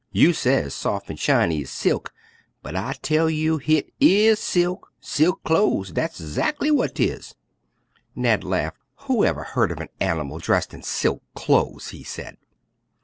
You ses 'sof an' shiny ez silk,' but I tell you hit is silk; silk clo'es, dat 'zackly w'at 'tis." Ned laughed. "Who ever heard of an animal dressed in silk clothes?" he said.